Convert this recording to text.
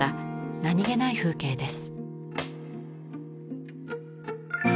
何気ない風景です。